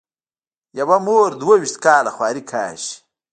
یوه مور دوه وېشت کاله خواري کاږي.